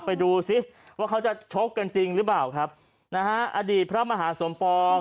ไปดูซิว่าเขาจะชกกันจริงหรือเปล่าครับนะฮะอดีตพระมหาสมปอง